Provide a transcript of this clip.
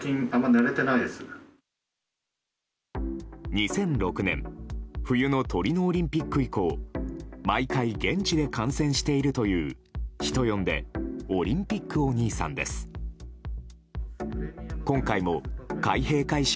２００６年冬のトリノオリンピック以降毎回現地で観戦しているという人呼んでオリンピックお兄さんです。